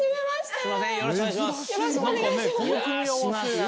よろしくお願いします。